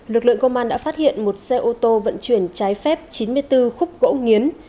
lực lượng công an đã phát hiện một xe ô tô vận chuyển trái phép chín mươi bốn khúc gỗ nghiến